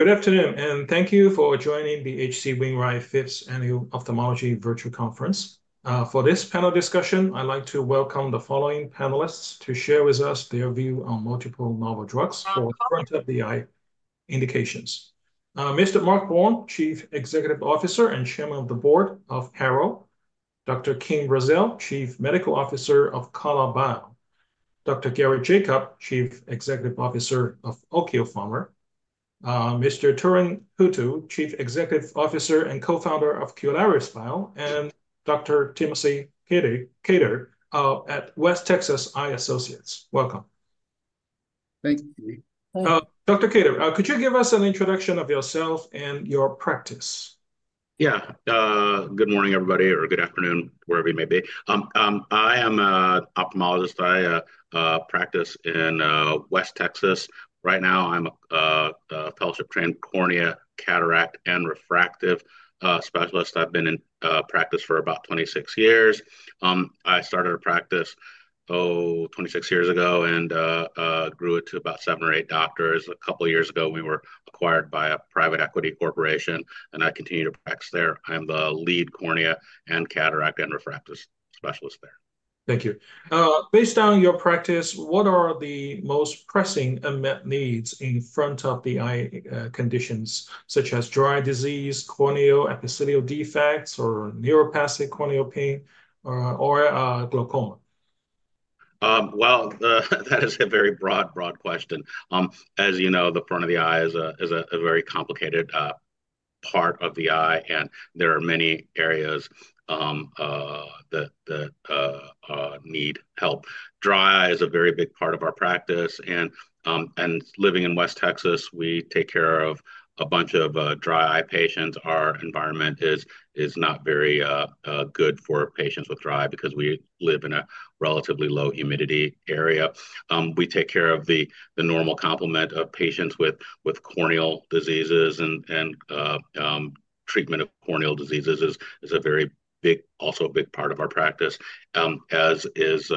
Good afternoon, and thank you for joining the H.C. Wainwright 5th Annual Ophthalmology Virtual Conference. For this panel discussion, I'd like to welcome the following panelists to share with us their view on multiple novel drugs for front of the eye indications. Mr. Mark Baum, Chief Executive Officer and Chairman of the Board of Harrow, Dr. Kim Brazzell, Chief Medical Officer of KALA BIO, Dr. Gary Jacob, Chief Executive Officer of OKYO Pharma, Mr. Thurein Htoo, Chief Executive Officer and Co-Founder of Qlaris Bio, and Dr. Timothy Khater at West Texas Eye Associates. Welcome. Thank you. Dr. Kather, could you give us an introduction of yourself and your practice? Good morning everybody, or good afternoon, wherever you may be. I am an ophthalmologist. I practice in West Texas. Right now, I'm a fellowship-trained cornea, cataract, and refractive specialist. I've been in practice for about 26 years. I started a practice 26 years ago and grew it to about seven or eight doctors. A couple of years ago, we were acquired by a private equity corporation, and I continue to practice there. I'm the lead cornea and cataract and refractive specialist there. Thank you. Based on your practice, what are the most pressing needs in front of the eye conditions, such as dry eye disease, persistent corneal epithelial defects, or neuropathic corneal pain, or glaucoma? That is a very broad, broad question. As you know, the front of the eye is a very complicated part of the eye, and there are many areas that need help. Dry eye is a very big part of our practice, and living in West Texas, we take care of a bunch of dry eye patients. Our environment is not very good for patients with dry eye because we live in a relatively low-humidity area. We take care of the normal complement of patients with corneal diseases, and treatment of corneal diseases is a very big, also a big part of our practice, as is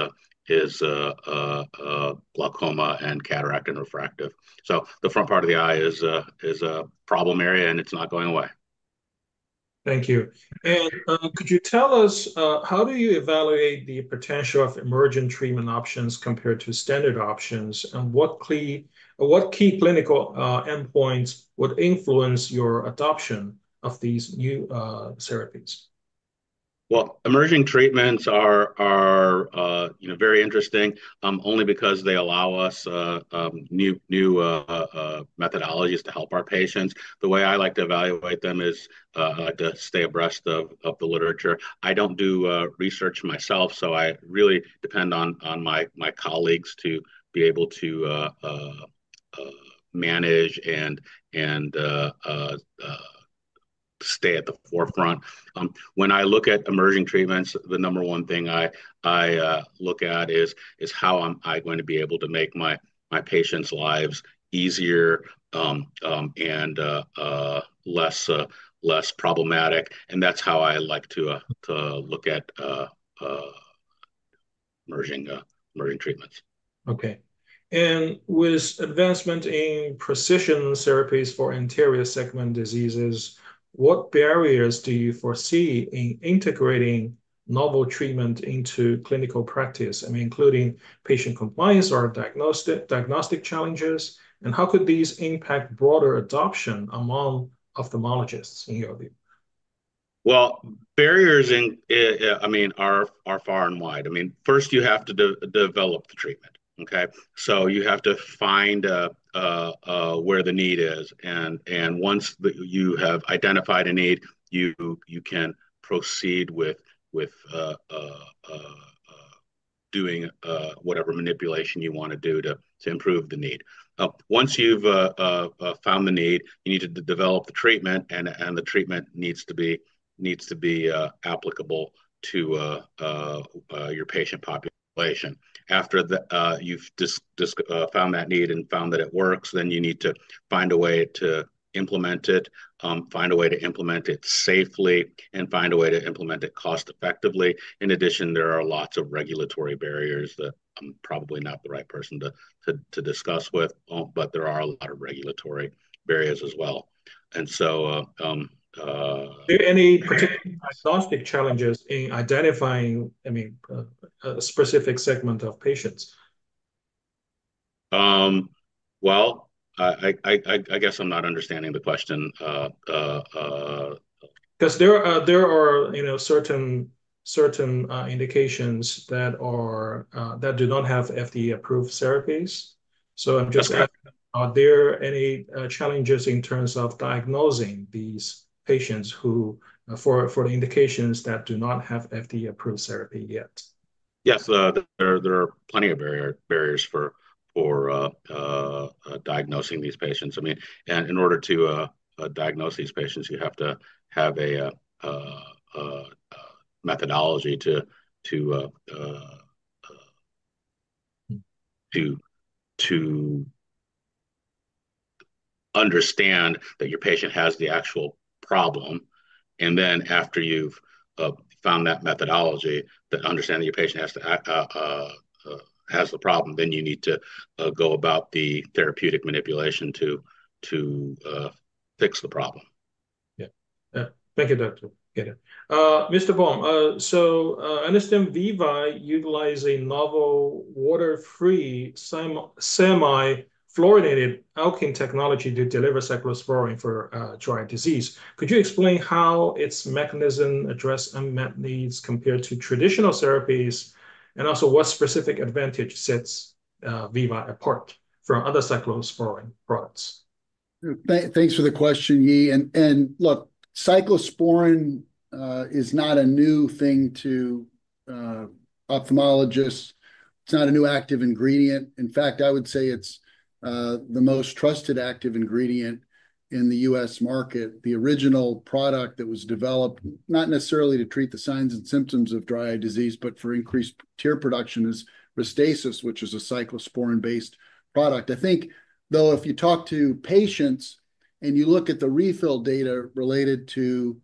glaucoma and cataract and refractive. The front part of the eye is a problem area, and it's not going away. Thank you. Could you tell us how do you evaluate the potential of emergent treatment options compared to standard options, and what key clinical endpoints would influence your adoption of these new therapies? Emergent treatments are very interesting only because they allow us new methodologies to help our patients. The way I like to evaluate them is to stay abreast of the literature. I don't do research myself, so I really depend on my colleagues to be able to manage and stay at the forefront. When I look at emergent treatments, the number one thing I look at is how am I going to be able to make my patients' lives easier and less problematic, and that's how I like to look at emergent treatments. Okay. With advancements in precision therapies for anterior segment eye diseases, what barriers do you foresee in integrating novel treatment into clinical practice? I mean, including patient compliance or diagnostic challenges, and how could these impact broader adoption among ophthalmologists, in your view? Barriers are far and wide. First, you have to develop the treatment. You have to find where the need is, and once you have identified a need, you can proceed with doing whatever manipulation you want to do to improve the need. Once you've found the need, you need to develop the treatment, and the treatment needs to be applicable to your patient population. After you've found that need and found that it works, you need to find a way to implement it, find a way to implement it safely, and find a way to implement it cost-effectively. In addition, there are lots of regulatory barriers that I'm probably not the right person to discuss, but there are a lot of regulatory barriers as well. Any particular diagnostic challenges in identifying, I mean, a specific segment of patients? I guess I'm not understanding the question. There are certain indications that do not have FDA-approved therapies. I'm just asking, are there any challenges in terms of diagnosing these patients for the indications that do not have FDA-approved therapy yet? Yes, there are plenty of barriers for diagnosing these patients. In order to diagnose these patients, you have to have a methodology to understand that your patient has the actual problem, and then after you've found that methodology to understand that your patient has the problem, you need to go about the therapeutic manipulation to fix the problem. Thank you, Dr. Kather. Mr. Baum, I understand VEVYE utilizes a novel water-free, semi-fluorinated alkane technology to deliver cyclosporine for dry eye disease. Could you explain how its mechanism addresses unmet needs compared to traditional therapies, and also what specific advantage sets VEVYE apart from other cyclosporine products? Thanks for the question, Yi. Look, cyclosporine is not a new thing to ophthalmologists. It's not a new active ingredient. In fact, I would say it's the most trusted active ingredient in the U.S. market. The original product that was developed not necessarily to treat the signs and symptoms of dry eye disease, but for increased tear production, is RESTASIS, which is a cyclosporine-based product. I think, though, if you talk to patients and you look at the refill data related to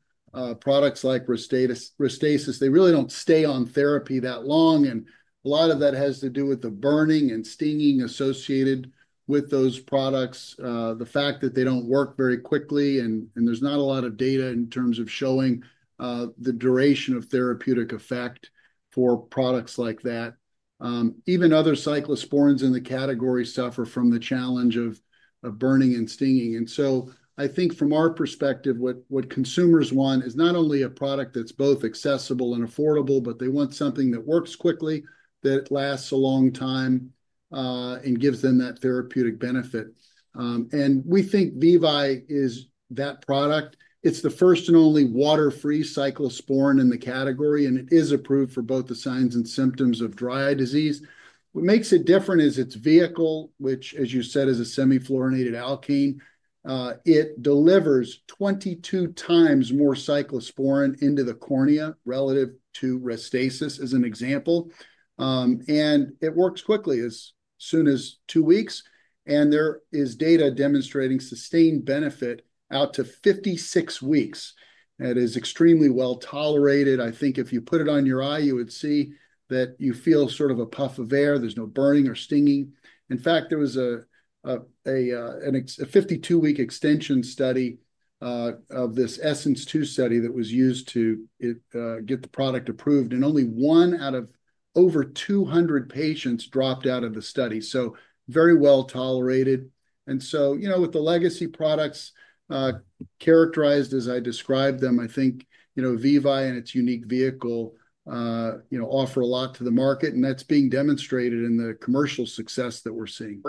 products like RESTASIS, they really don't stay on therapy that long, and a lot of that has to do with the burning and stinging associated with those products, the fact that they don't work very quickly, and there's not a lot of data in terms of showing the duration of therapeutic effect for products like that. Even other cyclosporins in the category suffer from the challenge of burning and stinging. I think from our perspective, what consumers want is not only a product that's both accessible and affordable, but they want something that works quickly, that lasts a long time, and gives them that therapeutic benefit. We think VEVYE is that product. It's the first and only water-free cyclosporine in the category, and it is approved for both the signs and symptoms of dry eye disease. What makes it different is its vehicle, which, as you said, is a semi-fluorinated alkane. It delivers 22x more cyclosporine into the cornea relative to RESTASIS, as an example, and it works quickly, as soon as two weeks, and there is data demonstrating sustained benefit out to 56 weeks. It is extremely well tolerated. I think if you put it on your eye, you would see that you feel sort of a puff of air. There's no burning or stinging. In fact, there was a 52-week extension study of this Essence II study that was used to get the product approved, and only one out of over 200 patients dropped out of the study. Very well tolerated. With the legacy products characterized as I described them, I think VEVYE and its unique vehicle offer a lot to the market, and that's being demonstrated in the commercial success that we're seeing.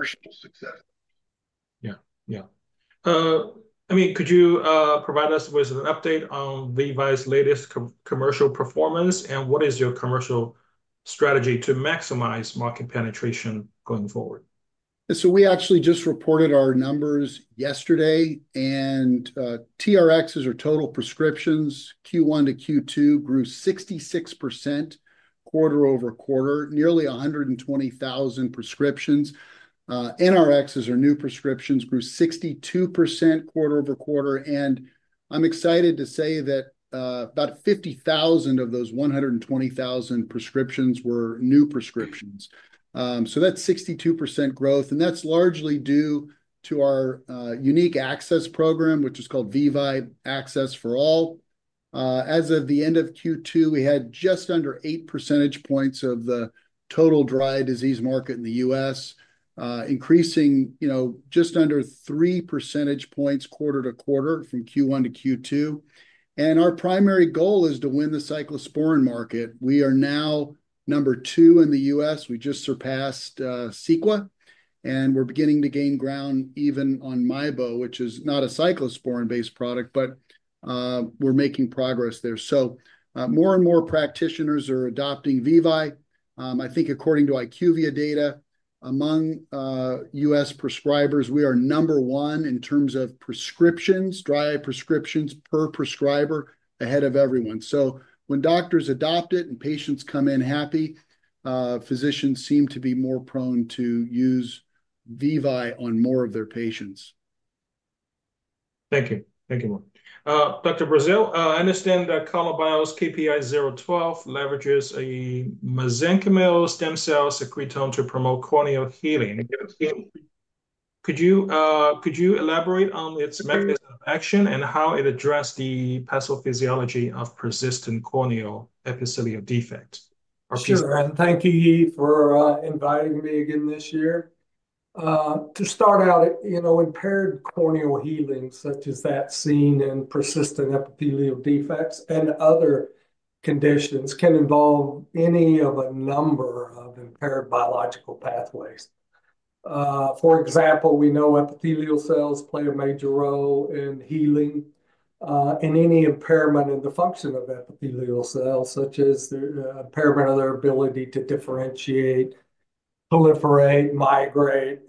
Yeah, yeah. I mean, could you provide us with an update on VEVYE's latest commercial performance, and what is your commercial strategy to maximize market penetration going forward? We actually just reported our numbers yesterday, and TRXs are total prescriptions. Q1-Q2 grew 66% quarter-over-quarter, nearly 120,000 prescriptions. NRXs are new prescriptions, grew 62% quarter-over quarter, and I'm excited to say that about 50,000 of those 120,000 prescriptions were new prescriptions. That's 62% growth, and that's largely due to our unique access program, which is called VEVYE Access for All. As of the end of Q2, we had just under 8 percentage points of the total dry eye disease market in the U.S., increasing just under 3 percentage points quarter to quarter from Q1 to Q2. Our primary goal is to win the cyclosporine market. We are now number two in the U.S. We just surpassed CEQUA, and we're beginning to gain ground even on MIEBO, which is not a cyclosporin-based product, but we're making progress there. More and more practitioners are adopting Vivai. I think according to IQVIA data, among U.S. prescribers, we are number one in terms of prescriptions, dry eye prescriptions per prescriber, ahead of everyone. When doctors adopt it and patients come in happy, physicians seem to be more prone to use VEVYE on more of their patients. Thank you. Thank you, Mark. Dr. Brazzell, I understand that KALA BIO's KPI-012 leverages a mesenchymal stem cell secretome to promote corneal healing. Could you elaborate on its methods of action and how it addressed the pathophysiology of persistent corneal epithelial defects? Sure, and thank you, Yi, for inviting me again this year. To start out, you know, impaired corneal healing, such as that seen in persistent corneal epithelial defects and other conditions, can involve any of a number of impaired biological pathways. For example, we know epithelial cells play a major role in healing, and any impairment in the function of epithelial cells, such as the impairment of their ability to differentiate, proliferate, migrate,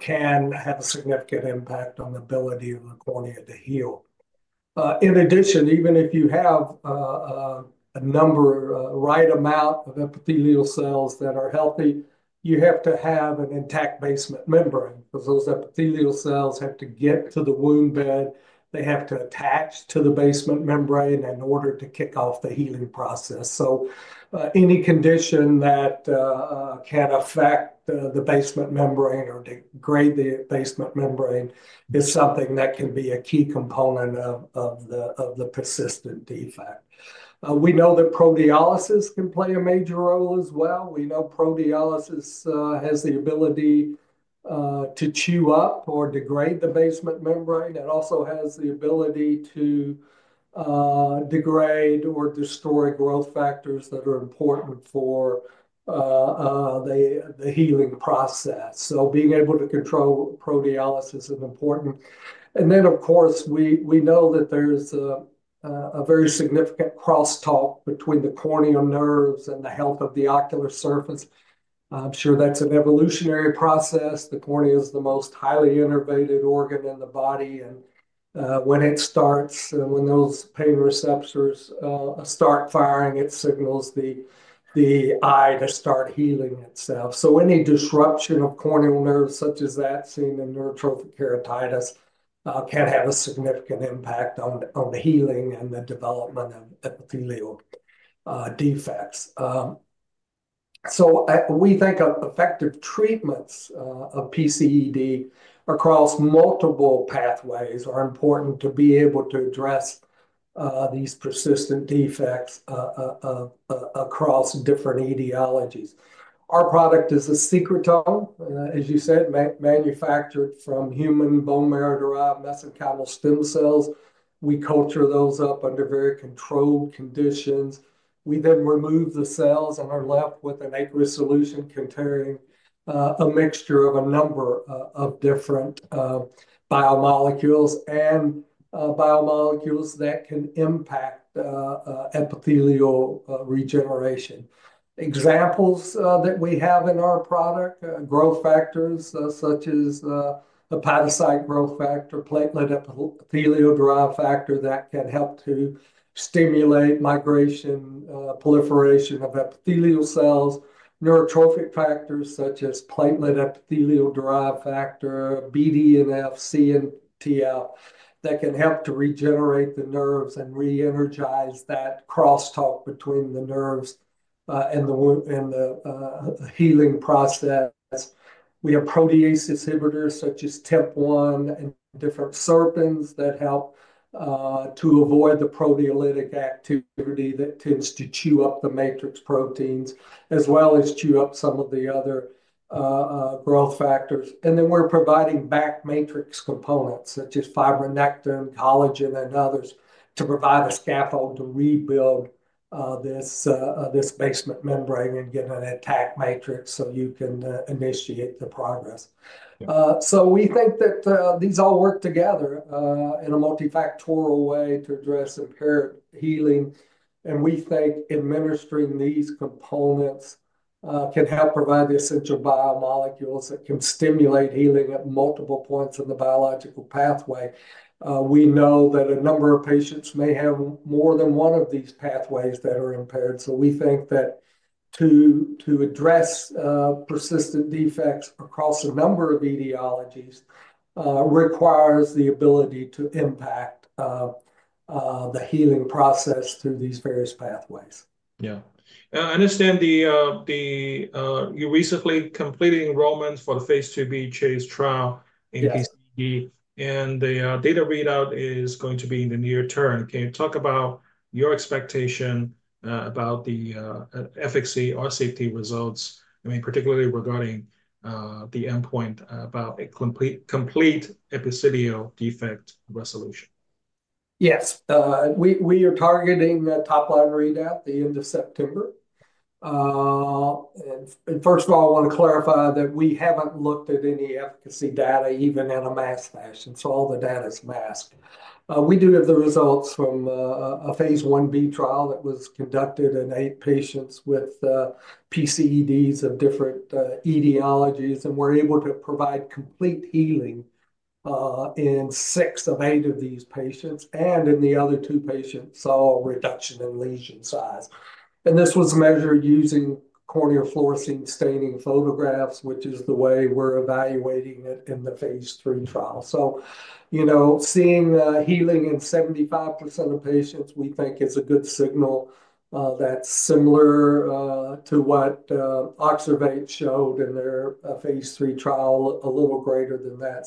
can have a significant impact on the ability of the cornea to heal. In addition, even if you have a number, right amount of epithelial cells that are healthy, you have to have an intact basement membrane because those epithelial cells have to get to the wound bed. They have to attach to the basement membrane in order to kick off the healing process. Any condition that can affect the basement membrane or degrade the basement membrane is something that can be a key component of the persistent defect. We know that proteolysis can play a major role as well. We know proteolysis has the ability to chew up or degrade the basement membrane and also has the ability to degrade or destroy growth factors that are important for the healing process. Being able to control proteolysis is important. Of course, we know that there's a very significant crosstalk between the corneal nerves and the health of the ocular surface. I'm sure that's an evolutionary process. The cornea is the most highly innervated organ in the body, and when it starts, when those pain receptors start firing, it signals the eye to start healing itself. Any disruption of corneal nerves, such as that seen in neurotrophic keratitis, can have a significant impact on the healing and the development of epithelial defects. We think effective treatments of persistent corneal epithelial defects across multiple pathways are important to be able to address these persistent defects across different etiologies. Our product is a secretome, as you said, manufactured from human bone marrow-derived mesenchymal stem cells. We culture those up under very controlled conditions. We then remove the cells and are left with an aqueous solution containing a mixture of a number of different biomolecules and biomolecules that can impact epithelial regeneration. Examples that we have in our product, growth factors such as hepatocyte growth factor, platelet epithelial derived factor that can help to stimulate migration, proliferation of epithelial cells, neurotrophic factors such as platelet epithelial derived factor, BDNF, CNTF that can help to regenerate the nerves and re-energize that crosstalk between the nerves and the healing process. We have protease inhibitors such as TIMP1 and different serpins that help to avoid the proteolytic activity that tends to chew up the matrix proteins as well as chew up some of the other growth factors. We are providing back matrix components such as fibronectin, collagen, and others to provide a scaffold to rebuild this basement membrane and get an intact matrix so you can initiate the progress. We think that these all work together in a multifactorial way to address impaired healing, and we think administering these components can help provide essential biomolecules that can stimulate healing at multiple points in the biological pathway. We know that a number of patients may have more than one of these pathways that are impaired, so we think that to address persistent defects across a number of etiologies requires the ability to impact the healing process through these various pathways. Yeah. I understand you recently completed enrollments for the pivotal Phase II-B CHASE trial in persistent corneal epithelial defects, and the data readout is going to be in the near term. Can you talk about your expectation about the efficacy or safety results, I mean, particularly regarding the endpoint about complete epithelial defect resolution? Yes, we are targeting a top-line readout at the end of September. First of all, I want to clarify that we haven't looked at any efficacy data even in a masked fashion, so all the data is masked. We do have the results from a Phase I-B trial that was conducted in eight patients with PCEDs of different etiologies, and we're able to provide complete healing in six of eight of these patients, and in the other two patients, saw a reduction in lesion size. This was measured using corneal fluorescein staining photographs, which is the way we're evaluating it in the Phase III trial. Seeing healing in 75% of patients, we think is a good signal. That's similar to what OXERVATE showed in their Phase 3 trial, a little greater than that.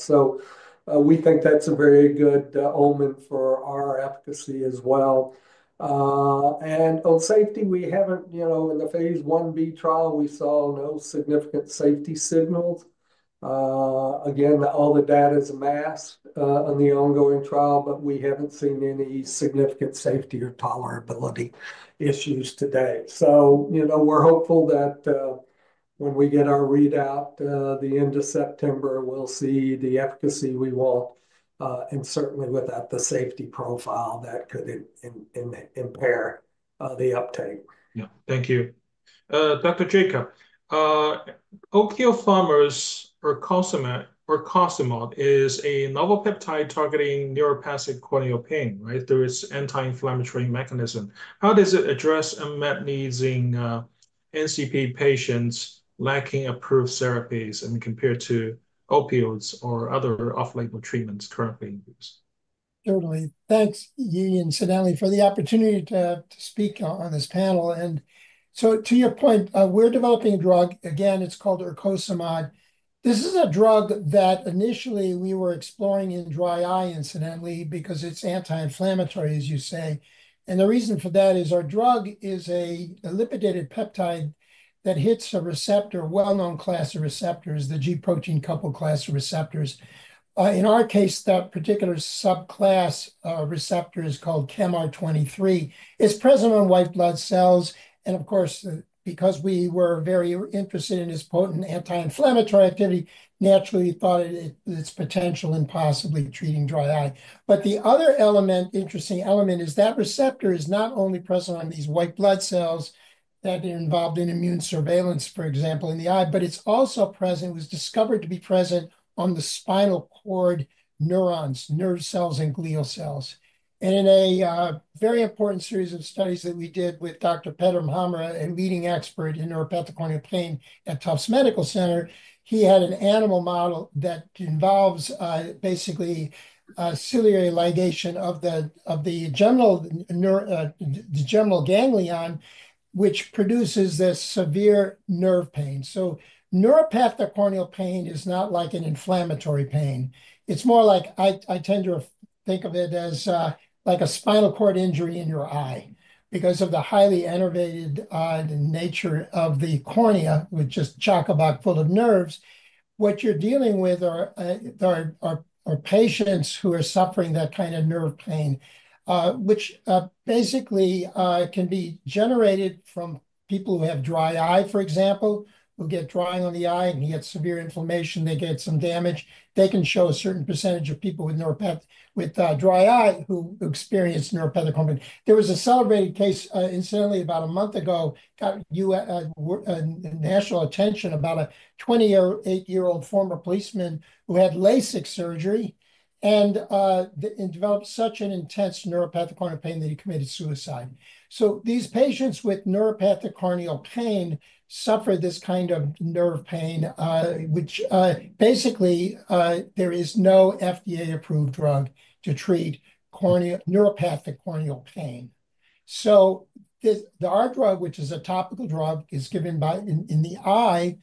We think that's a very good omen for our efficacy as well. On safety, in the Phase I-B trial, we saw no significant safety signals. Again, all the data is masked on the ongoing trial, but we haven't seen any significant safety or tolerability issues to date. We're hopeful that when we get our readout at the end of September, we'll see the efficacy we want, and certainly without the safety profile that could impair the uptake. Thank you. Dr. Jacob, OKYO Pharma's Urcosimod is a novel peptide targeting neuropathic corneal pain, right, through its anti-inflammatory mechanism. How does it address unmet needs in NCP patients lacking approved therapies and compared to opioids or other off-label treatments currently in use? Certainly. Thanks, Yi and Sadali, for the opportunity to speak on this panel. To your point, we're developing a drug. Again, it's called Urcosimod. This is a drug that initially we were exploring in dry eye, incidentally, because it's anti-inflammatory, as you say. The reason for that is our drug is a lipidated peptide that hits a receptor, a well-known class of receptors, the G-protein coupled class of receptors. In our case, the particular subclass receptor is called ChemR23. It's present on white blood cells, and of course, because we were very interested in its potent anti-inflammatory activity, we naturally thought of its potential in possibly treating dry eye. The other interesting element is that receptor is not only present on these white blood cells that are involved in immune surveillance, for example, in the eye, but it's also present, was discovered to be present on the spinal cord neurons, nerve cells, and glial cells. In a very important series of studies that we did with Dr. Petra Mohammad, a leading expert in neuropathic corneal pain at Tufts Medical Center, he had an animal model that involves basically ciliary ligation of the general ganglion, which produces this severe nerve pain. Neuropathic corneal pain is not like an inflammatory pain. I tend to think of it as like a spinal cord injury in your eye because of the highly innervated nature of the cornea, which is chock full of nerves. What you're dealing with are patients who are suffering that kind of nerve pain, which basically can be generated from people who have dry eye, for example, who get drying on the eye and get severe inflammation. They get some damage. There is a certain percentage of people with dry eye who experience neuropathic corneal pain. There was a celebrated case, incidentally, about a month ago, that got national attention about a 28-year-old former policeman who had LASIK surgery and developed such an intense neuropathic corneal pain that he committed suicide. These patients with neuropathic corneal pain suffer this kind of nerve pain, for which there is no FDA-approved drug to treat neuropathic corneal pain. Our drug, which is a topical drug, is given in the eye.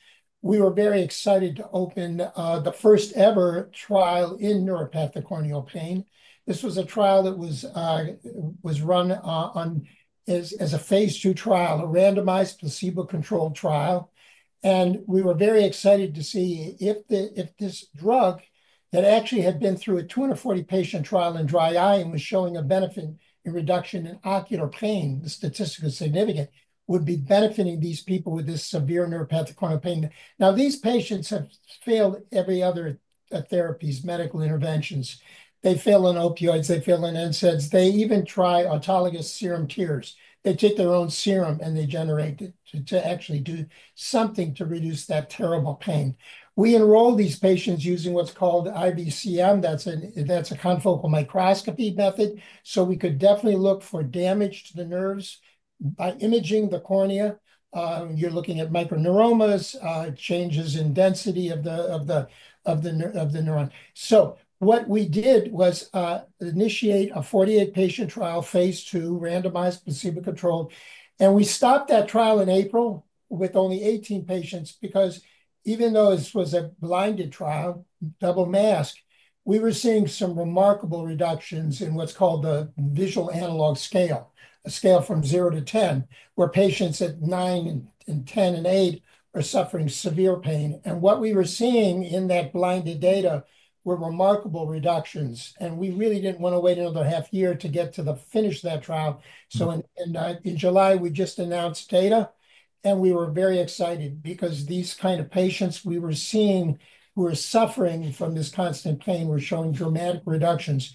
We were very excited to open the first ever trial in neuropathic corneal pain. This was a trial that was run as a Phase II trial, a randomized placebo-controlled trial, and we were very excited to see if this drug that actually had been through a 240-patient trial in dry eye and was showing a benefit in reduction in ocular pain, the statistic is significant, would be benefiting these people with this severe neuropathic corneal pain. These patients have failed every other therapies, medical interventions. They fail on opioids. They fail on NSAIDs. They even try autologous serum tears. They take their own serum and they generate it to actually do something to reduce that terrible pain. We enrolled these patients using what's called IVCM. That's a confocal microscopy method, so we could definitely look for damage to the nerves by imaging the cornea. You're looking at micro neuromas, changes in density of the neuron. What we did was initiate a 48-patient trial, Phase II, randomized placebo-controlled, and we stopped that trial in April with only 18 patients because even though this was a blinded trial, double masked, we were seeing some remarkable reductions in what's called the visual analog scale, a scale from 0-10, where patients at nine, and 10, and 8 are suffering severe pain. What we were seeing in that blinded data were remarkable reductions, and we really didn't want to wait another half year to get to finish that trial. In July, we just announced data, and we were very excited because these kind of patients we were seeing who were suffering from this constant pain were showing dramatic reductions.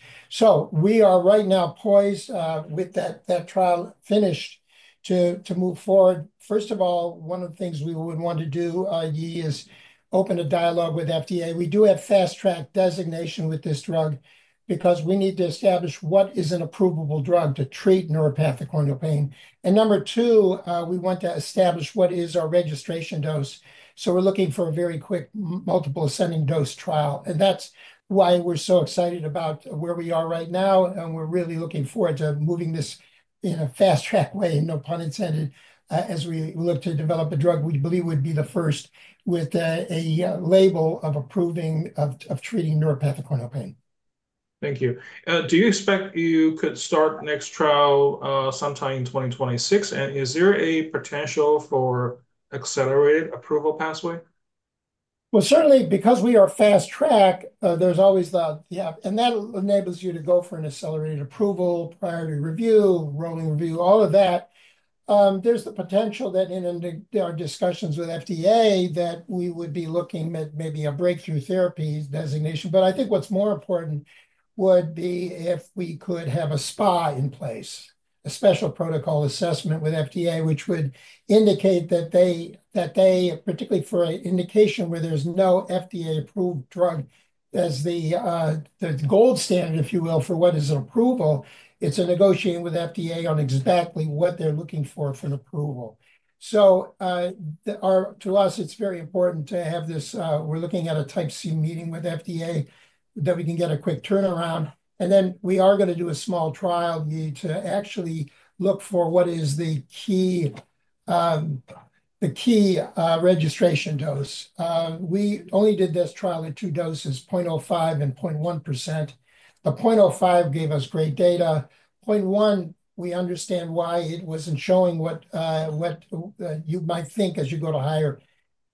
We are right now poised with that trial finished to move forward. First of all, one of the things we would want to do, Yi, is open a dialogue with FDA. We do have fast-track designation with this drug because we need to establish what is an approvable drug to treat neuropathic corneal pain. Number two, we want to establish what is our registration dose. We're looking for a very quick multiple ascending dose trial, and that's why we're so excited about where we are right now, and we're really looking forward to moving this in a fast-track way and no pun intended as we look to develop a drug we believe would be the first with a label of approving of treating neuropathic corneal pain. Thank you. Do you expect you could start the next trial sometime in 2026, and is there a potential for accelerated approval pathway? Certainly, because we are fast-track, there's always the, yeah, and that enables you to go for an accelerated approval, priority review, rolling review, all of that. There's the potential that in our discussions with FDA that we would be looking at maybe a breakthrough therapy designation. I think what's more important would be if we could have a SPA in place, a special protocol assessment with FDA, which would indicate that they, particularly for an indication where there's no FDA-approved drug, as the gold standard, if you will, for what is approval, it's a negotiating with FDA on exactly what they're looking for for an approval. To us, it's very important to have this. We're looking at a Type C meeting with FDA that we can get a quick turnaround, and then we are going to do a small trial, Yi, to actually look for what is the key registration dose. We only did this trial in two doses, 0.05% and 0.1%. The 0.05% gave us great data. 0.1%, we understand why it wasn't showing what you might think as you go to higher,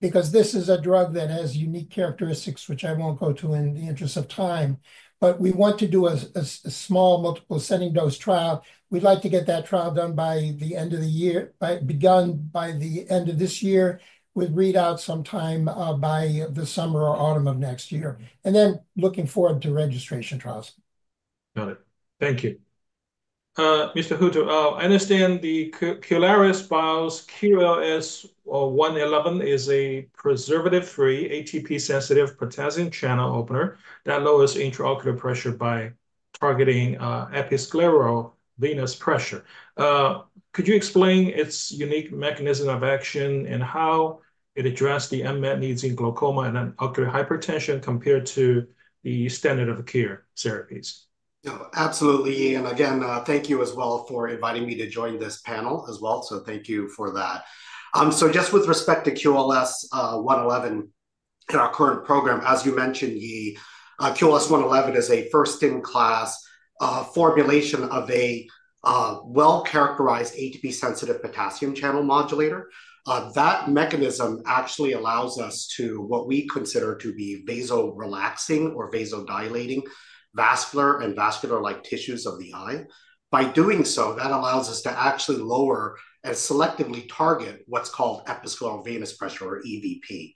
because this is a drug that has unique characteristics, which I won't go to in the interest of time, but we want to do a small multiple ascending dose trial. We'd like to get that trial done by the end of the year, begun by the end of this year with readouts sometime by the summer or autumn of next year, and then looking forward to registration trials. Got it. Thank you. Mr. Htoo, I understand that Qlaris Bio's QLS-111 is a preservative-free, ATP-sensitive potassium channel opener that lowers intraocular pressure by targeting episcleral venous pressure. Could you explain its unique mechanism of action and how it addressed the unmet needs in glaucoma and ocular hypertension compared to the standard of care therapies? Yeah, absolutely, Yi, and again, thank you as well for inviting me to join this panel as well, so thank you for that. Just with respect to QLS-111 current program, as you mentioned, Yi, QLS-111 is a first-in-class formulation of a well-characterized ATP-sensitive potassium channel modulator. That mechanism actually allows us to, what we consider to be, vasorelaxing or vasodilating vascular and vascular-like tissues of the eye. By doing so, that allows us to actually lower and selectively target what's called episcleral venous pressure or EVP.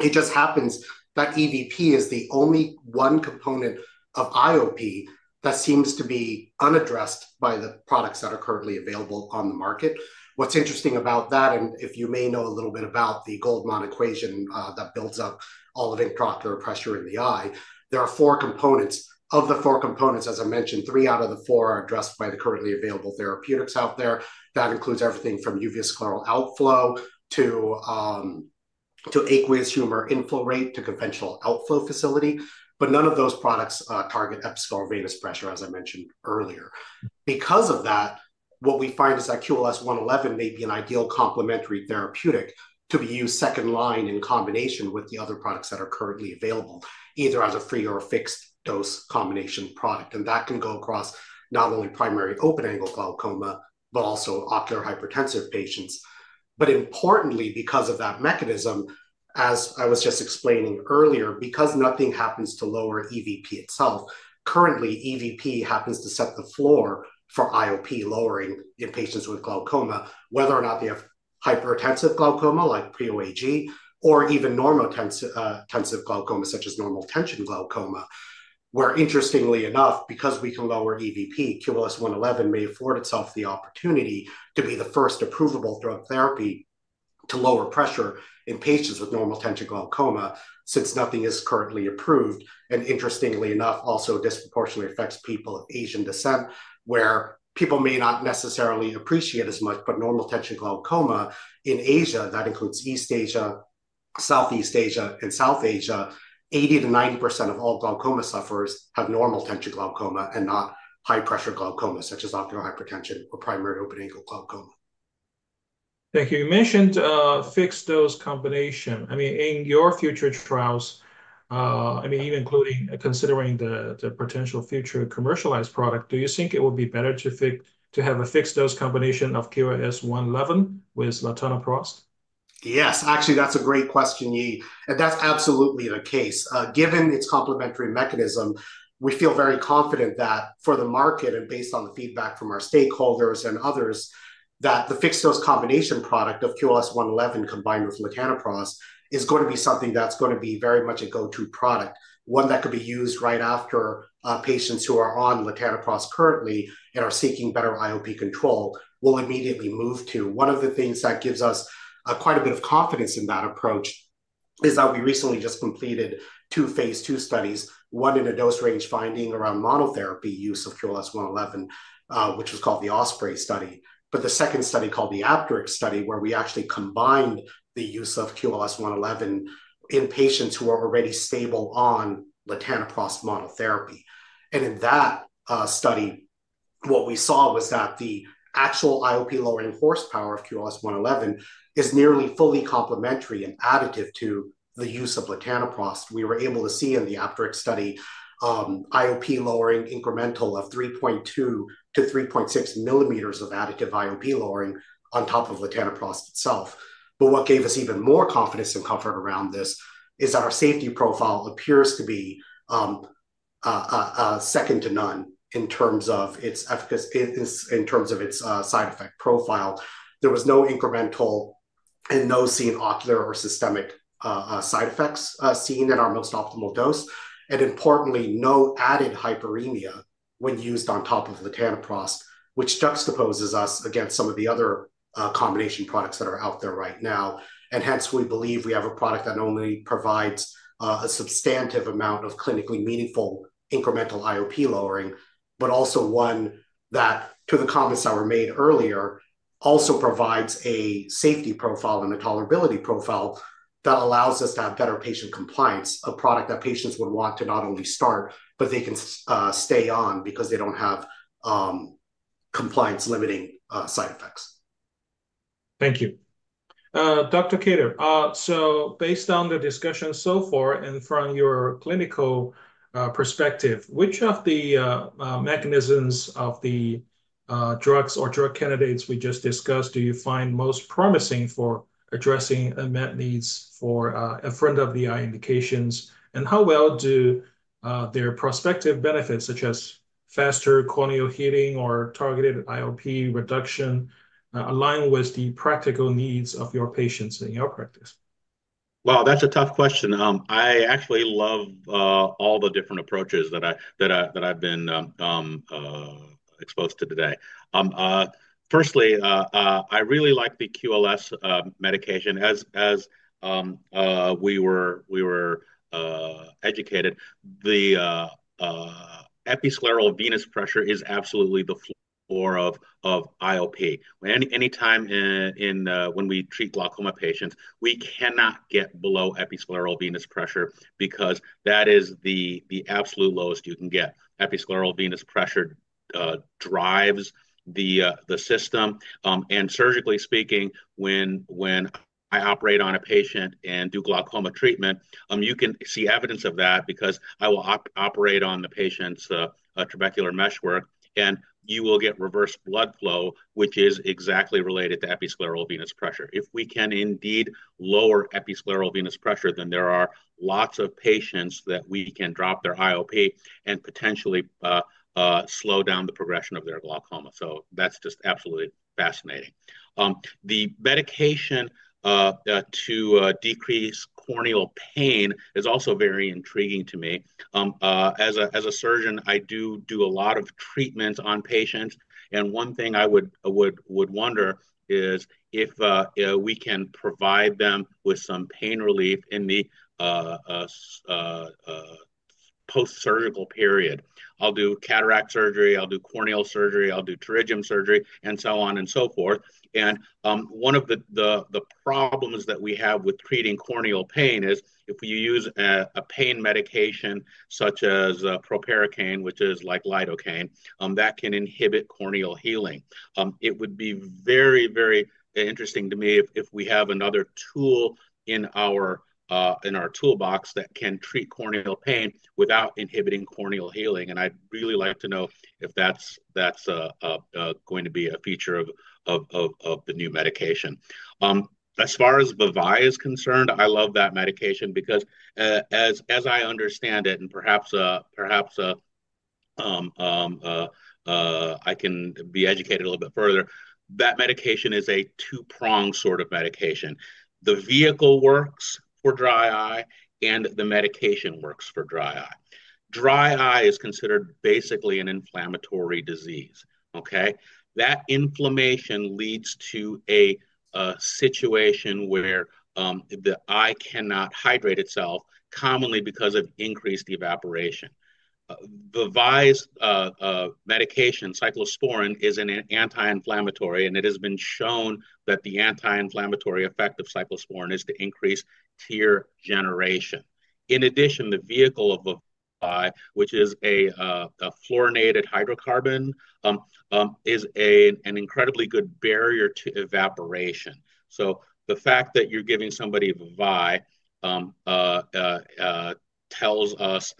It just happens that EVP is the only one component of IOP that seems to be unaddressed by the products that are currently available on the market. What's interesting about that, and if you may know a little bit about the Goldman equation that builds up all of intraocular pressure in the eye, there are four components. Of the four components, as I mentioned, three out of the four are addressed by the currently available therapeutics out there. That includes everything from uveoscleral outflow to aqueous humor infiltrate to conventional outflow facility, but none of those products target episcleral venous pressure, as I mentioned earlier. Because of that, what we find is that QLS-111 may be an ideal complementary therapeutic to be used second-line in combination with the other products that are currently available, either as a free or a fixed-dose combination product, and that can go across not only primary open-angle glaucoma, but also ocular hypertensive patients. Importantly, because of that mechanism, as I was just explaining earlier, because nothing happens to lower EVP itself, currently EVP happens to set the floor for IOP-lowering in patients with glaucoma, whether or not they have hypertensive glaucoma like primary open-angle glaucoma or even normotensive glaucoma such as normal tension glaucoma, where interestingly enough, because we can lower EVP, QLS-111 may afford itself the opportunity to be the first approvable drug therapy to lower pressure in patients with normal tension glaucoma since nothing is currently approved, and interestingly enough, also disproportionately affects people of Asian descent, where people may not necessarily appreciate as much, but normal tension glaucoma in Asia, that includes East Asia, Southeast Asia, and South Asia, 80%-90% of all glaucoma sufferers have normal tension glaucoma and not high-pressure glaucoma such as ocular hypertension or primary open-angle glaucoma. Thank you. You mentioned fixed-dose combination. In your future trials, even including considering the potential future commercialized product, do you think it would be better to have a fixed-dose combination of QLS-111 with latanoprost? Yes, actually, that's a great question, Yi, and that's absolutely the case. Given its complementary mechanism, we feel very confident that for the market and based on the feedback from our stakeholders and others, the fixed-dose combination product of QLS-111 combined with latanoprost is going to be something that's going to be very much a go-to product, one that could be used right after patients who are on latanoprost currently and are seeking better IOP control will immediately move to. One of the things that gives us quite a bit of confidence in that approach is that we recently just completed two Phase II studies, one in a dose range finding around monotherapy use of QLS-111, which was called the Osprey study, and the second study called the Aptrix study where we actually combined the use of QLS-111 in patients who are already stable on latanoprost monotherapy. In that study, what we saw was that the actual IOP-lowering horsepower of QLS-111 is nearly fully complementary and additive to the use of latanoprost. We were able to see in the Apteryx study IOP-lowering incremental of 3.2 mm-3.6 mm of additive IOP-lowering on top of latanoprost itself. What gave us even more confidence and comfort around this is that our safety profile appears to be second to none in terms of its side effect profile. There was no incremental and no seen ocular or systemic side effects seen at our most optimal dose, and importantly, no added hyperemia when used on top of latanoprost, which juxtaposes us against some of the other combination products that are out there right now. Hence, we believe we have a product that not only provides a substantive amount of clinically meaningful incremental IOP-lowering, but also one that, to the comments that were made earlier, also provides a safety profile and a tolerability profile that allows us to have better patient compliance, a product that patients would want to not only start, but they can stay on because they don't have compliance-limiting side effects. Thank you. Dr. Kather, based on the discussion so far and from your clinical perspective, which of the mechanisms of the drugs or drug candidates we just discussed do you find most promising for addressing unmet needs for in front of the eye indications, and how well do their prospective benefits, such as faster corneal healing or targeted IOP reduction, align with the practical needs of your patients in your practice? Wow, that's a tough question. I actually love all the different approaches that I've been exposed to today. Firstly, I really like the QLS-111 medication. As we were educated, the episcleral venous pressure is absolutely the floor of intraocular pressure. Anytime when we treat glaucoma patients, we cannot get below episcleral venous pressure because that is the absolute lowest you can get. Episcleral venous pressure drives the system, and surgically speaking, when I operate on a patient and do glaucoma treatment, you can see evidence of that because I will operate on the patient's trabecular meshwork, and you will get reverse blood flow, which is exactly related to episcleral venous pressure. If we can indeed lower episcleral venous pressure, then there are lots of patients that we can drop their intraocular pressure and potentially slow down the progression of their glaucoma. That's just absolutely fascinating. The medication to decrease neuropathic corneal pain is also very intriguing to me. As a surgeon, I do a lot of treatments on patients, and one thing I would wonder is if we can provide them with some pain relief in the post-surgical period. I'll do cataract surgery, I'll do corneal surgery, I'll do pterygium surgery, and so on and so forth. One of the problems that we have with treating corneal pain is if you use a pain medication such as proparacaine, which is like lidocaine, that can inhibit corneal healing. It would be very, very interesting to me if we have another tool in our toolbox that can treat corneal pain without inhibiting corneal healing, and I'd really like to know if that's going to be a feature of the new medication. As far as VEVYE is concerned, I love that medication because, as I understand it, and perhaps I can be educated a little bit further, that medication is a two-pronged sort of medication. The vehicle works for dry eye, and the medication works for dry eye. Dry eye is considered basically an inflammatory disease, okay. That inflammation leads to a situation where the eye cannot hydrate itself, commonly because of increased evaporation. ViEVYE's medication, cyclosporine, is an anti-inflammatory, and it has been shown that the anti-inflammatory effect of cyclosporine is to increase tear generation. In addition, the vehicle of VEVYE, which is a fluorinated hydrocarbon, is an incredibly good barrier to evaporation. The fact that you're giving somebody VEVYE tells us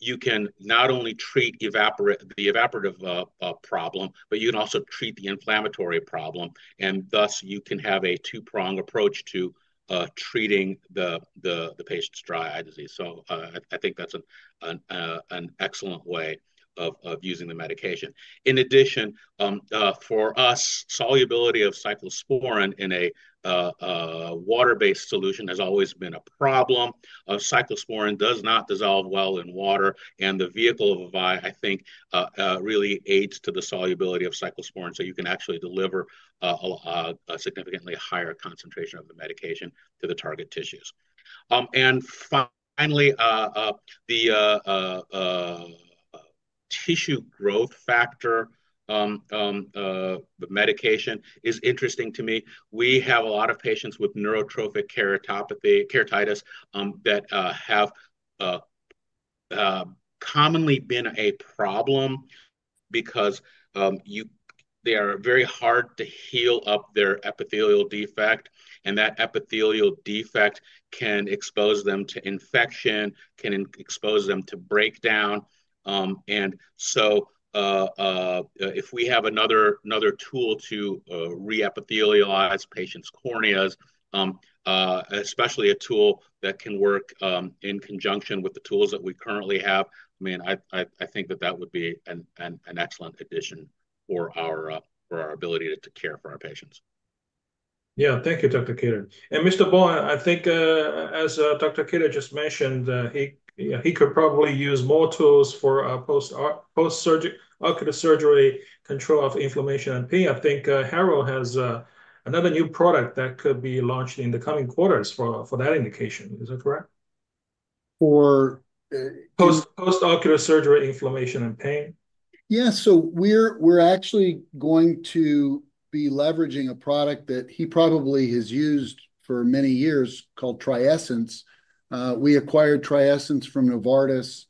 you can not only treat the evaporative problem, but you can also treat the inflammatory problem, and thus you can have a two-pronged approach to treating the patient's dry eye disease. I think that's an excellent way of using the medication. In addition, for us, solubility of cyclosporine in a water-based solution has always been a problem. Cyclosporine does not dissolve well in water, and the vehicle of VEVYE, I think, really aids to the solubility of cyclosporine, so you can actually deliver a significantly higher concentration of the medication to the target tissues. Finally, the tissue growth factor medication is interesting to me. We have a lot of patients with neurotrophic keratitis that have commonly been a problem because they are very hard to heal up their epithelial defect, and that epithelial defect can expose them to infection, can expose them to breakdown. If we have another tool to re-epithelialize patients' corneas, especially a tool that can work in conjunction with the tools that we currently have, I think that that would be an excellent addition for our ability to care for our patients. Thank you, Dr. Kather. Mr. Baum, I think, as Dr. Kather just mentioned, he could probably use more tools for post-ocular surgery control of inflammation and pain. I think Harrow has another new product that could be launched in the coming quarters for that indication. Is that correct? For? Post-ocular surgery inflammation and pain. Yeah, so we're actually going to be leveraging a product that he probably has used for many years called TRIESENCE. We acquired TRIESENCE from Novartis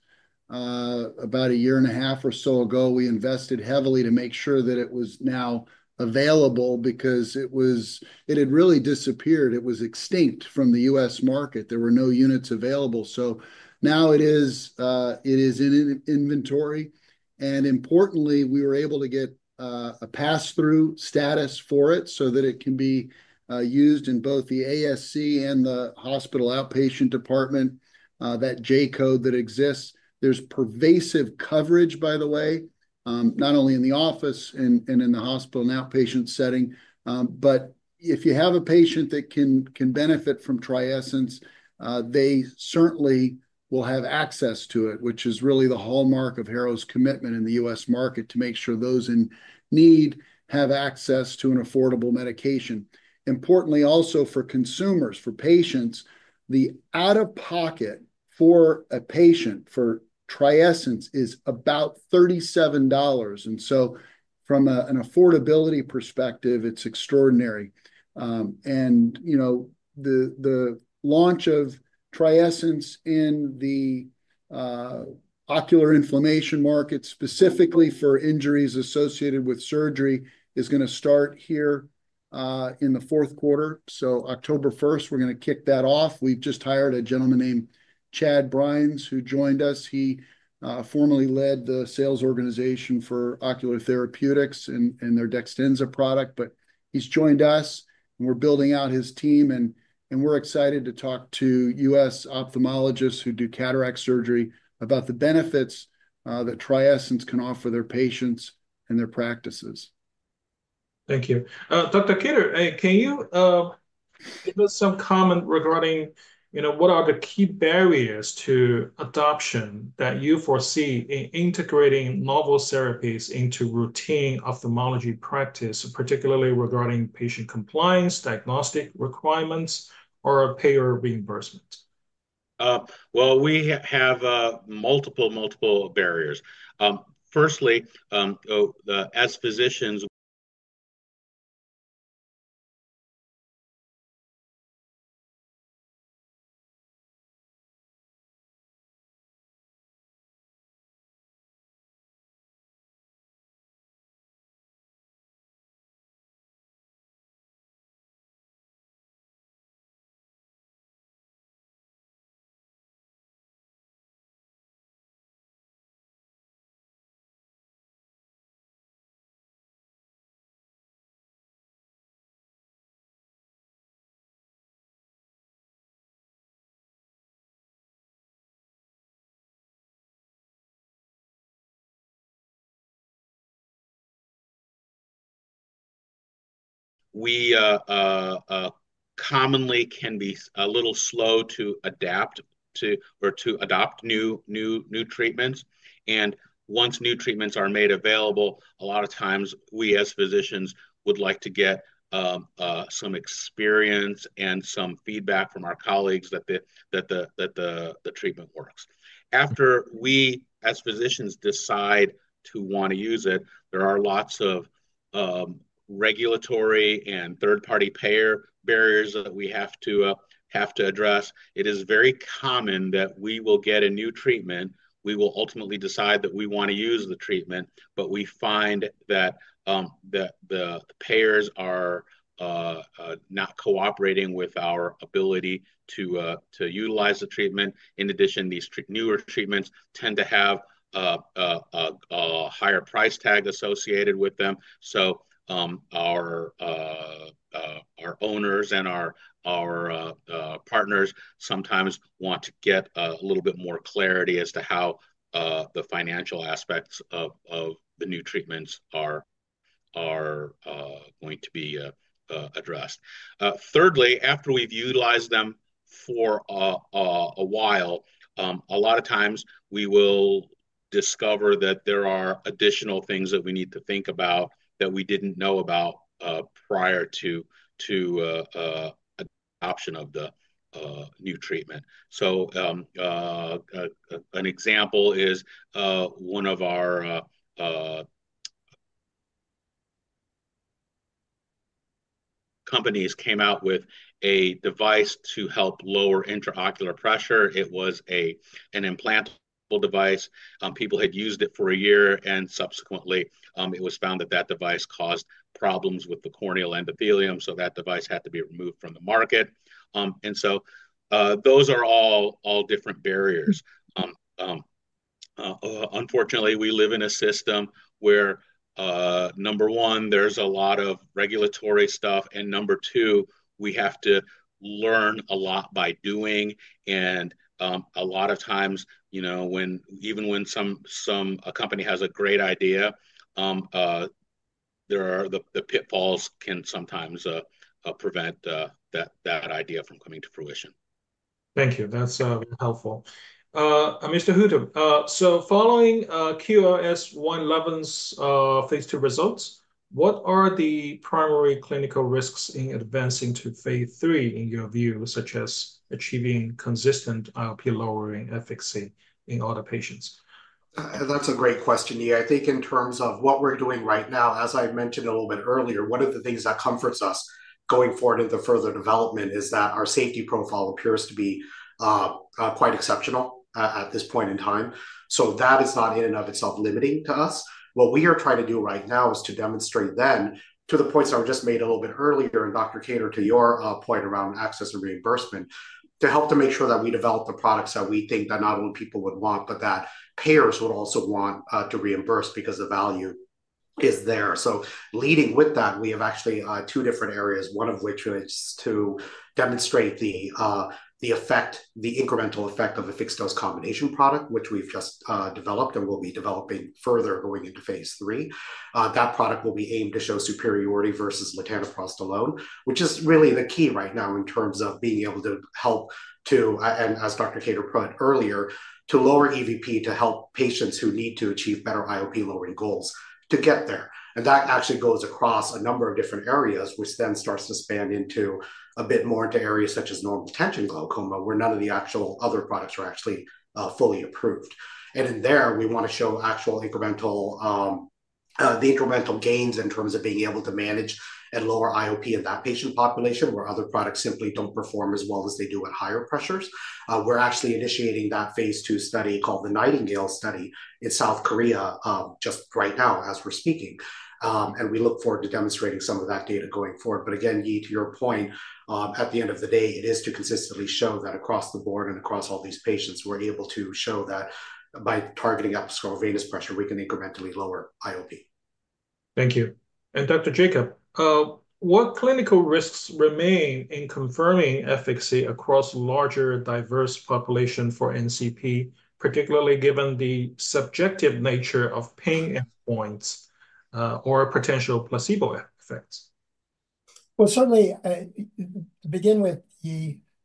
about a year and a half or so ago. We invested heavily to make sure that it was now available because it had really disappeared. It was extinct from the U.S. market. There were no units available. Now it is in inventory, and importantly, we were able to get a pass-through status for it so that it can be used in both the ASC and the hospital outpatient department, that J-code that exists. There's pervasive coverage, by the way, not only in the office and in the hospital and outpatient setting, but if you have a patient that can benefit from TRIESENCE, they certainly will have access to it, which is really the hallmark of Harrow's commitment in the U.S. market to make sure those in need have access to an affordable medication. Importantly, also for consumers, for patients, the out-of-pocket for a patient for TRIESENCE is about $37, and from an affordability perspective, it's extraordinary. The launch of TRIESENCE in the ocular inflammation market, specifically for injuries associated with surgery, is going to start here in the fourth quarter. October 1st, we're going to kick that off. We've just hired a gentleman named Chad Bryans who joined us. He formerly led the sales organization for Ocular Therapeutix and their Dextenza product, but he's joined us, and we're building out his team, and we're excited to talk to U.S. ophthalmologists who do cataract surgery about the benefits that TRIESENCE can offer their patients and their practices. Thank you. Dr. Kather, can you give us some comment regarding what are the key barriers to adoption that you foresee in integrating novel therapies into routine ophthalmology practice, particularly regarding patient compliance, diagnostic requirements, or payer reimbursement? We have multiple, multiple barriers. Firstly, as physicians, we commonly can be a little slow to adapt to or to adopt new treatments, and once new treatments are made available, a lot of times we as physicians would like to get some experience and some feedback from our colleagues that the treatment works. After we, as physicians, decide to want to use it, there are lots of regulatory and third-party payer barriers that we have to address. It is very common that we will get a new treatment, we will ultimately decide that we want to use the treatment, but we find that the payers are not cooperating with our ability to utilize the treatment. In addition, these newer treatments tend to have a higher price tag associated with them. Our owners and our partners sometimes want to get a little bit more clarity as to how the financial aspects of the new treatments are going to be addressed. Thirdly, after we've utilized them for a while, a lot of times we will discover that there are additional things that we need to think about that we didn't know about prior to the adoption of the new treatment. An example is one of our companies came out with a device to help lower intraocular pressure. It was an implantable device. People had used it for a year, and subsequently, it was found that that device caused problems with the corneal endothelium, so that device had to be removed from the market. Those are all different barriers. Unfortunately, we live in a system where, number one, there's a lot of regulatory stuff, and number two, we have to learn a lot by doing, and a lot of times, you know, even when a company has a great idea, the pitfalls can sometimes prevent that idea from coming to fruition. Thank you. That's helpful. Mr. Htoo, following QLS-111's Phase II results, what are the primary clinical risks in advancing to Phase III in your view, such as achieving consistent IOP-lowering efficacy in all the patients? That's a great question, Yi. I think in terms of what we're doing right now, as I mentioned a little bit earlier, one of the things that comforts us going forward into further development is that our safety profile appears to be quite exceptional at this point in time. That is not in and of itself limiting to us. What we are trying to do right now is to demonstrate then, to the points that were just made a little bit earlier, and Dr. Kather, to your point around access and reimbursement, to help to make sure that we develop the products that we think that not only people would want, but that payers would also want to reimburse because the value is there. Leading with that, we have actually two different areas, one of which is to demonstrate the effect, the incremental effect of the fixed-dose combination product, which we've just developed and will be developing further going into Phase III. That product will be aimed to show superiority versus latanoprost alone, which is really the key right now in terms of being able to help to, and as Dr. Kather put earlier, to lower episcleral venous pressure to help patients who need to achieve better IOP-lowering goals to get there. That actually goes across a number of different areas, which then starts to span a bit more into areas such as normal tension glaucoma, where none of the actual other products are actually fully approved. In there, we want to show actual incremental gains in terms of being able to manage and lower intraocular pressure in that patient population, where other products simply don't perform as well as they do at higher pressures. We're actually initiating that Phase II study called the Nightingale study. It's in South Korea just right now as we're speaking, and we look forward to demonstrating some of that data going forward. Again, Yi, to your point, at the end of the day, it is to consistently show that across the board and across all these patients, we're able to show that by targeting episcleral venous pressure, we can incrementally lower IOP. Thank you. Dr. Jacob, what clinical risks remain in confirming efficacy across a larger diverse population for NCP, particularly given the subjective nature of pain points or potential placebo effects? To begin with,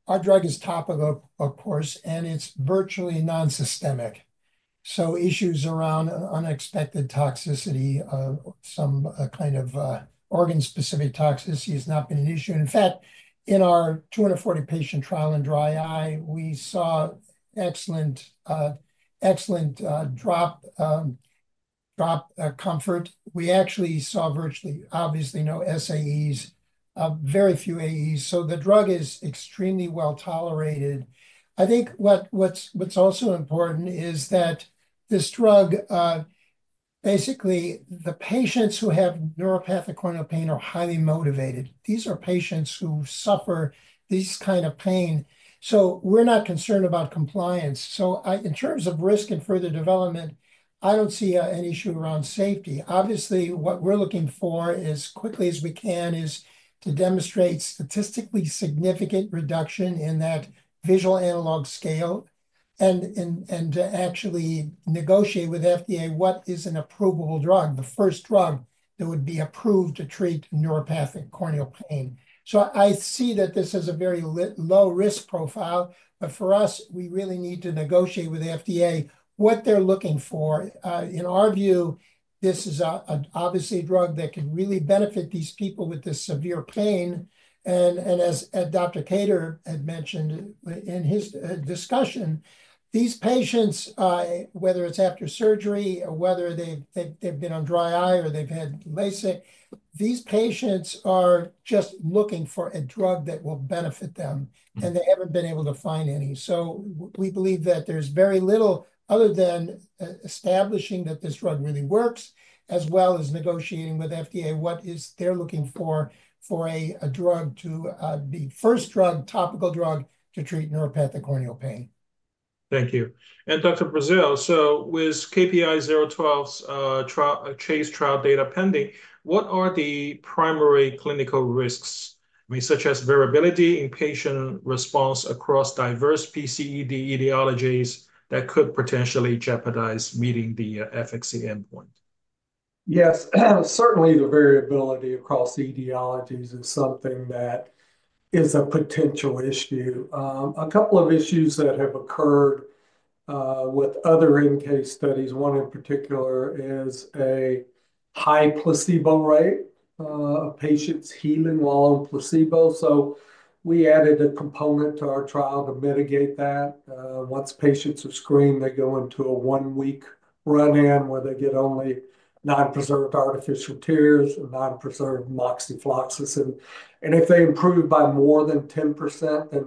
our drug is topical, of course, and it's virtually non-systemic. Issues around unexpected toxicity, some kind of organ-specific toxicity has not been an issue. In fact, in our 240-patient trial in dry eye, we saw excellent drop comfort. We actually saw virtually obviously no SAEs, very few AEs. The drug is extremely well-tolerated. I think what's also important is that this drug, basically, the patients who have neuropathic corneal pain are highly motivated. These are patients who suffer this kind of pain. We're not concerned about compliance. In terms of risk and further development, I don't see an issue around safety. Obviously, what we're looking for as quickly as we can is to demonstrate statistically significant reduction in that visual analog scale and to actually negotiate with FDA what is an approvable drug, the first drug that would be approved to treat neuropathic corneal pain. I see that this has a very low risk profile, but for us, we really need to negotiate with FDA what they're looking for. In our view, this is obviously a drug that could really benefit these people with this severe pain. As Dr. Kather had mentioned in his discussion, these patients, whether it's after surgery, whether they've been on dry eye or they've had LASIK, these patients are just looking for a drug that will benefit them, and they haven't been able to find any. We believe that there's very little other than establishing that this drug really works, as well as negotiating with FDA what they're looking for for a drug to be the first drug, topical drug to treat neuropathic corneal pain. Thank you. Dr. Brazzell, with KPI-012's CHASE trial data pending, what are the primary clinical risks, such as variability in patient response across diverse PCD etiologies, that could potentially jeopardize meeting the efficacy endpoint? Yes, certainly the variability across the etiologies is something that is a potential issue. A couple of issues that have occurred with other in-case studies, one in particular, is a high placebo rate, a patient's healing while on placebo. We added a component to our trial to mitigate that. Once patients are screened, they go into a one-week run-in where they get only non-preserved artificial tears and non-preserved moxifloxacin, and if they improve by more than 10%, then.